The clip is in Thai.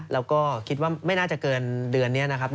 แล้วก็คิดว่าไม่น่าจะเกินเดือนนี้นะครับ